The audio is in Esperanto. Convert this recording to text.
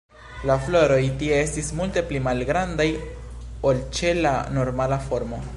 La floroj tie estis multe pli malgrandaj ol ĉe la normala formo.